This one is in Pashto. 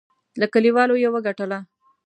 له کلیوالو یې وګټله.